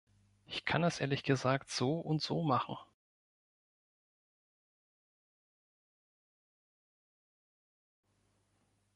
Ich kann es ehrlich gesagt so und so machen.